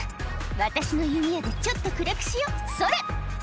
「私の弓矢でちょっと暗くしようそれ！」